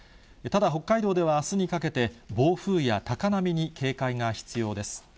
ただ北海道では、あすにかけて、暴風や高波に警戒が必要です。